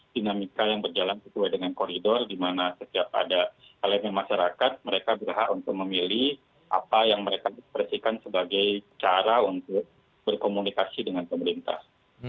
dinamika yang berjalan sesuai dengan koridor di mana setiap ada elemen masyarakat mereka berhak untuk memilih apa yang mereka ekspresikan sebagai cara untuk berkomunikasi dengan pemerintah